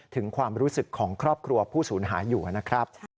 ถึงความรู้สึกของครอบครัวผู้สูญหายอยู่นะครับ